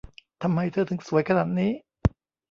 ทำไมเธอถึงสวยขนาดนี้